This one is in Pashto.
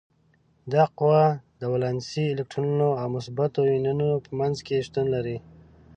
دا قوه د ولانسي الکترونونو او مثبتو ایونونو په منځ کې شتون لري.